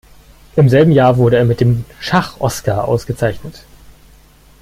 Im selben Jahr wurde er mit dem Schach-Oscar ausgezeichnet.